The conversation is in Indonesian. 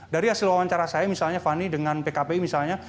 dari hasil wawancara saya misalnya fani dengan pkpi misalnya